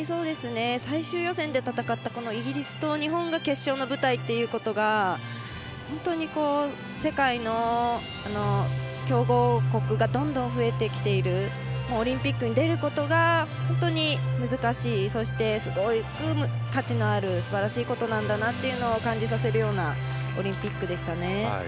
最終予選で戦ったイギリスと日本が日本が決勝の舞台ということが本当に、世界の強豪国がどんどん増えてきているオリンピックに出ることが本当に難しいそして、価値のあるすばらしいことなんだと感じさせるようなオリンピックでした。